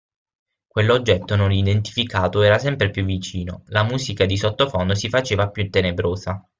Quell'oggetto non identificato era sempre più vicino, la musica di sottofondo si faceva più tenebrosa.